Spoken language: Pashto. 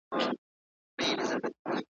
د ګلونو په بستر کي د خزان کیسه کومه ,